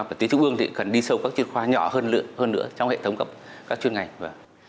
và tí trung ương thì cần đi sâu các chuyên khoa nhỏ hơn nữa trong hệ thống cấp các chuyên ngành